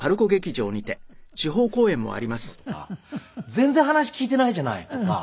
「全然話聞いてないじゃない」とか。